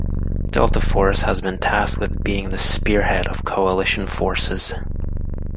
Delta Force has been tasked with being the spearhead of the coalition forces.